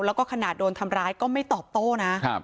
แล้วก็ขนาดโดนทำร้ายก็ไม่ตอบโต้นะ